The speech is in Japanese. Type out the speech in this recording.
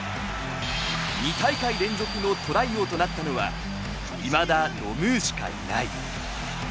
２大会連続のトライ王となったのはいまだロムーしかいない。